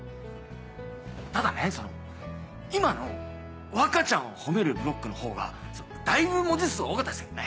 ただねその今の若ちゃんを褒めるブロックの方がだいぶ文字数多かったですけどね。